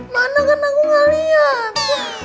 mana kan aku gak lihat